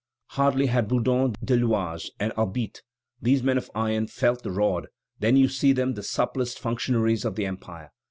Hardly had Bourdon de l'Oise and Albitte, those men of iron, felt the rod than you see them the supplest functionaries of the Empire.